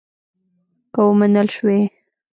که ومنل شوې.